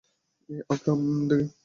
এই অকর্মার ঢেঁকি!